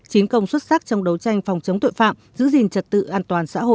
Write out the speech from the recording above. chiến công xuất sắc trong đấu tranh phòng chống tội phạm giữ gìn trật tự an toàn xã hội